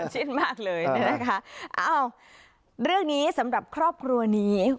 ชินมากเลยนะคะอ้าวเรื่องนี้สำหรับครอบครัวนี้